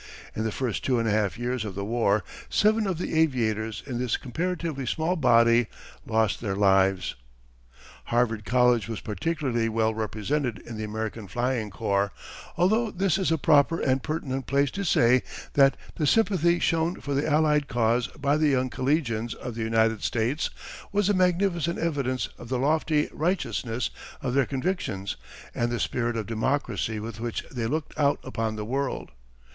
In the first two and a half years of the war, seven of the aviators in this comparatively small body lost their lives. Harvard College was particularly well represented in the American Flying Corps although this is a proper and pertinent place to say that the sympathy shown for the allied cause by the young collegians of the United States was a magnificent evidence of the lofty righteousness of their convictions and the spirit of democracy with which they looked out upon the world.